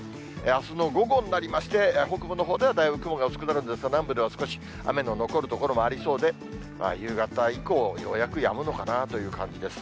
あすの午後になりまして、北部のほうではだいぶ雲が薄くなるんですが、南部では少し雨の残る所もありそうで、夕方以降、ようやくやむのかなという感じです。